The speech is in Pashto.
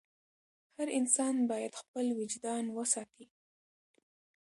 هر انسان باید خپل وجدان وساتي.